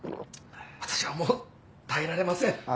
私はもう耐えられません。